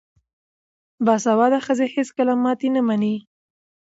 باسواده ښځې هیڅکله ماتې نه مني.